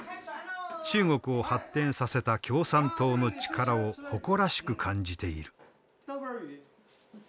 中国を発展させた共産党の力を誇らしく感じている。